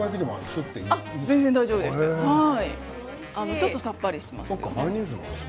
ちょっとさっぱりします。